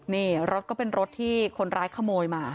นี่รถก็เป็นรถที่คนร้ายขโมยมา